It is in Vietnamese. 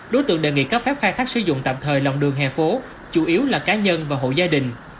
đối tượng đề nghị cấp phép khai thác sử dụng tạm thời lòng đường hè phố chủ yếu là cá nhân và hộ gia đình